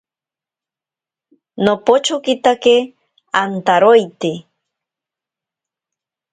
Nopochokitake antaroite.